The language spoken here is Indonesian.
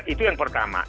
itu yang pertama